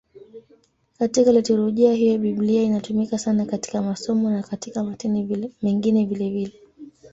Katika liturujia hiyo Biblia inatumika sana katika masomo na katika matini mengine vilevile.